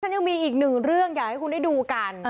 ยังมีอีกหนึ่งเรื่องอยากให้คุณได้ดูกัน